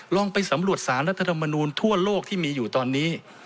ลองไปสำรวจสารรัฐธรรมนูลทั่วโลกที่มีอยู่ตอนนี้